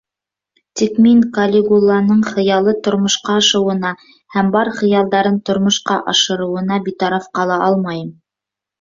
Тик мин Калигуланың хыялы тормошҡа ашыуына, һәм бар хыялдарын тормошҡа ашырыуына битараф ҡала алмайым.